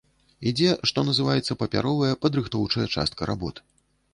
Ідзе, што называецца, папяровая, падрыхтоўчая частка работ.